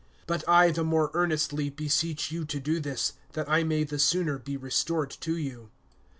(19)But I the more earnestly beseech you to do this, that I may the sooner be restored to you.